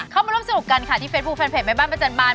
เข้ามาร่วมสนุกกันค่ะที่เฟสบูแฟนเพจแม่บ้านประจำบาน